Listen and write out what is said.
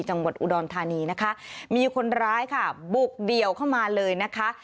จังหวัดอุดรธานีนะคะมีคนร้ายค่ะบุกเดี่ยวเข้ามาเลยนะคะ